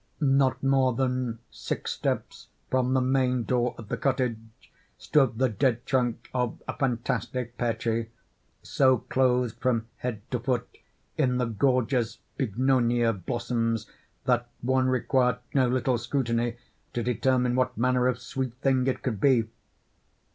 Not more than six steps from the main door of the cottage stood the dead trunk of a fantastic pear tree, so clothed from head to foot in the gorgeous bignonia blossoms that one required no little scrutiny to determine what manner of sweet thing it could be.